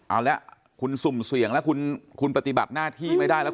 เอาละคุณสุ่มเสี่ยงแล้วคุณปฏิบัติหน้าที่ไม่ได้แล้ว